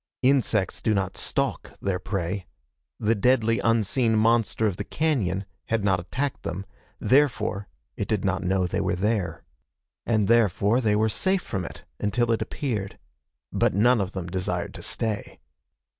Insects do not stalk their prey. The deadly unseen monster of the cañon had not attacked them. Therefore, it did not know they were there. And therefore they were safe from it until it appeared. But none of them desired to stay.